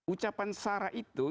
ucapan sarah itu